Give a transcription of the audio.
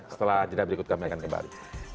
setelah jeda berikut kami akan kembali